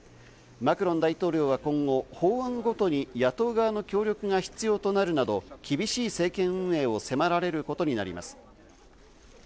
マクロン大統領は今後、法案ごとに野党側の協力が必要となるなど厳しい政権運営を迫られることになります。